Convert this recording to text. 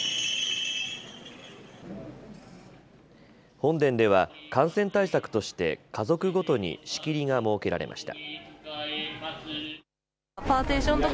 本殿では感染対策として家族ごとに仕切りが設けられました。